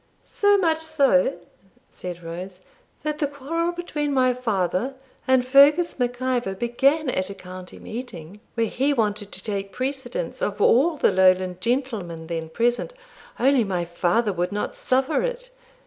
'So much so,' said Rose, 'that the quarrel between my father and Fergus Mac Ivor began at a county meeting, where he wanted to take precedence of all the Lowland gentlemen then present, only my father would not suffer it.